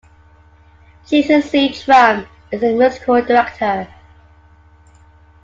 Jason C. Tramm is the musical director.